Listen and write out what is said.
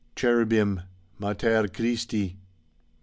Chervbim: "Mater Christi.'